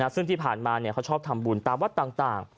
ซึ่งที่ผ่านมาเขาชอบทำบุญตามวัดต่าง